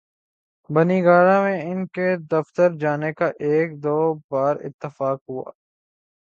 بنی گالہ میں ان کے دفتر جانے کا ایک دو بار اتفاق ہوا۔